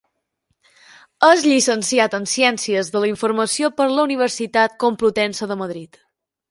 És llicenciat en ciències de la informació per la Universitat Complutense de Madrid.